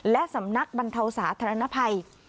และสำนักบรรเทาสาธารณภัย